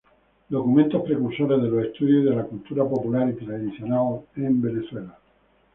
Documentos precursores de los estudios de la cultura popular y tradicional en Venezuela".